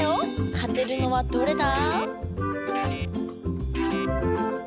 勝てるのはどれだ？